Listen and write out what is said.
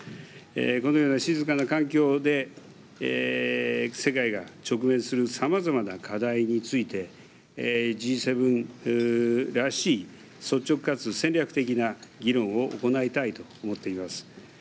このような静かな環境で世界が直面するさまざまな課題についてＧ７らしい、率直かつ戦略的な議論を行いたいと思っています。